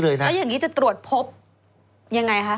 แล้วอย่างนี้จะตรวจพบยังไงคะ